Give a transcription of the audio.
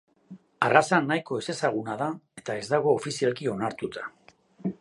Arraza nahiko ezezaguna da eta ez dago ofizialki onartuta.